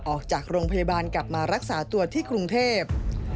ออกจากโรงพยาบาลกลับมารักษาตัวที่กรุงเทพ